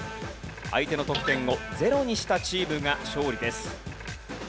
相手の得点を０にしたチームが勝利です。